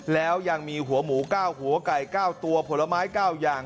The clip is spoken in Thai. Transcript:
แล้วยังมีหัวหมู๙หัวไก่๙ตัวผลไม้๙อย่าง